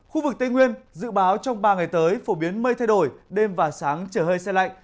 khu vực tây nguyên dự báo trong ba ngày tới phổ biến mây thay đổi đêm và sáng trời hơi xe lạnh